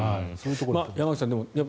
山口さん